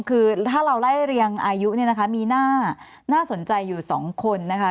คือถ้าเราไล่เรียงอายุเนี่ยนะคะมีน่าสนใจอยู่สองคนนะคะ